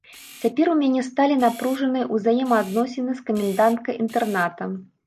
Цяпер у мяне сталі напружаныя ўзаемаадносіны з каменданткай інтэрната.